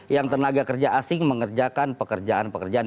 yang tenaga kerja asing mengerjakan pekerjaan pekerjaan